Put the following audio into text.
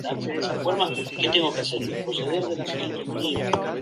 Las puertas del lugar no cerraron debido a la cantidad de público.